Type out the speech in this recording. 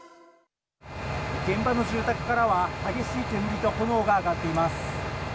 現場の住宅からは、激しい煙と炎が上がっています。